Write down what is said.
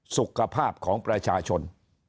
สุขภาพของประชาชน